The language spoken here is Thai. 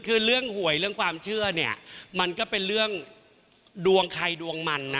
คือเรื่องหวยเรื่องความเชื่อเนี่ยมันก็เป็นเรื่องดวงใครดวงมันนะ